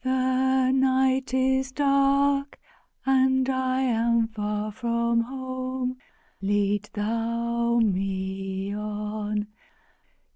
The night is dark and I am far from home! Lead Thou me on!